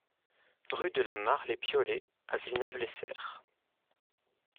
Rue de la Mare Les Pioliers à Villeneuve-les-Cerfs